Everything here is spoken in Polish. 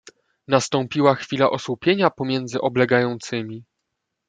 "Nastąpiła chwila osłupienia pomiędzy oblegającymi."